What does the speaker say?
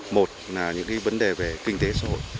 một là những cái vấn đề về kinh tế xã hội